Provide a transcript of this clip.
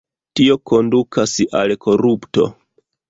Tio kondukas al korupto.